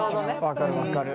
分かる分かる。